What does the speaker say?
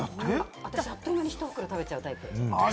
あっという間にひと袋食べちゃうタイプ。